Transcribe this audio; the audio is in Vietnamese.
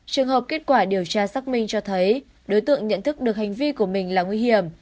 trường hợp kết quả điều tra xác minh cho thấy đối tượng nhận thức được hành vi của mình là nguy hiểm